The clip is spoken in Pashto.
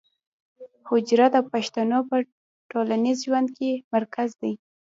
حجره د پښتنو د ټولنیز ژوند مرکز دی.